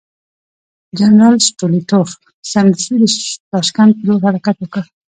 جنرال ستولیتوف سمدستي د تاشکند پر لور حرکت وکړ.